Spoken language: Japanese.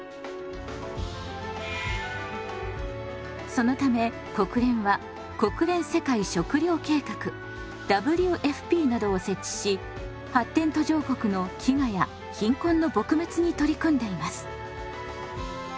そのため国連は国連世界食糧計画ＷＦＰなどを設置し発展途上国の飢餓や貧困の撲滅に取り組んでいます。